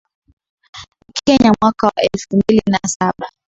ni kenya mwaka wa elfu mbili na saba